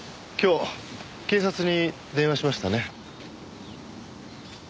今日警察に電話しましたね？